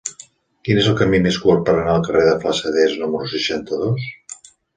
Quin és el camí més curt per anar al carrer de Flassaders número seixanta-dos?